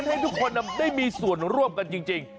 ให้ทุกคนได้มีส่วนร่วมกันจริง